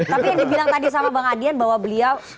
tapi yang dibilang tadi sama bang adian bahwa beliau